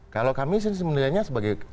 kalau kami sih sebenarnya sebagai